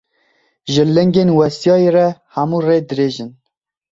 Ji lingên westiyayî re hemû rê dirêj in.